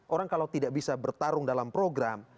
orang kalau tidak bisa bertarung dalam program